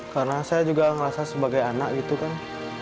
karena saya juga merasa sebagai anak gitu kan